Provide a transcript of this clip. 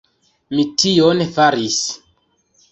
Mi tion faris!